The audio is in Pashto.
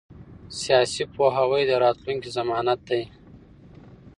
سیاسي پوهاوی د راتلونکي ضمانت دی